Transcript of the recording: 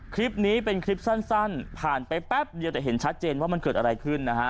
คลิปนี้เป็นคลิปสั้นผ่านไปแป๊บเดียวแต่เห็นชัดเจนว่ามันเกิดอะไรขึ้นนะฮะ